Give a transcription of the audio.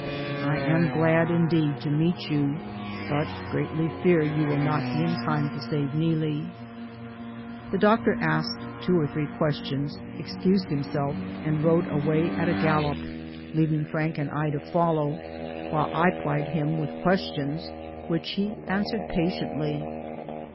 I am glad, indeed, to meet you, but greatly fear you will not be in time to save Neelie." The doctor asked two or three questions, DAYS ON THE ROAD. 193 excused himself and rode away at a gallop, leaving Frank and I to follow, while I plied him with questions, which he answered pa tiently.